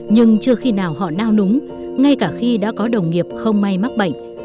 nhưng chưa khi nào họ nao núng ngay cả khi đã có đồng nghiệp không may mắc bệnh